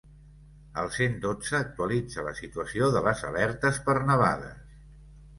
El cent dotze actualitza la situació de les alertes per nevades.